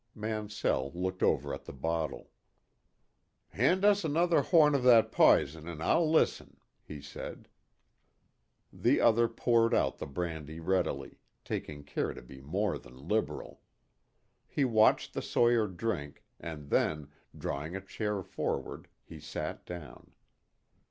Mansell looked over at the bottle. "Hand us another horn of that pizen an' I'll listen," he said. The other poured out the brandy readily, taking care to be more than liberal. He watched the sawyer drink, and then, drawing a chair forward, he sat down.